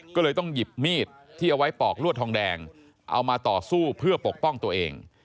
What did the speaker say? ก็เลยต้องหยิบมีดที่เอาไว้ปอกลวดทองแดงเอามาต่อสู้เพื่อปกป้องตัวเอง